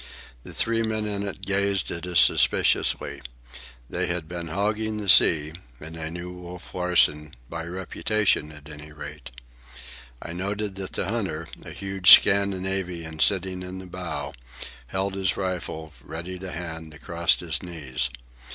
The three men in it gazed at us suspiciously. They had been hogging the sea, and they knew Wolf Larsen, by reputation at any rate. I noted that the hunter, a huge Scandinavian sitting in the bow, held his rifle, ready to hand, across his knees.